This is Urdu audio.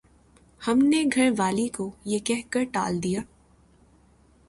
ہم نے گھر والی کو یہ کہہ کر ٹال دیا